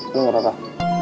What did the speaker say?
lo gak patah